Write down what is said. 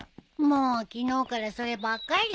もう昨日からそればっかり。